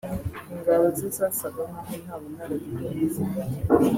ingabo ze zasaga nk’aho nta bunararibonye zifite